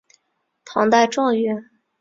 唐代状元。